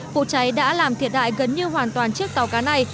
vụ cháy đã làm thiệt hại gần như hoàn toàn chiếc tàu cá này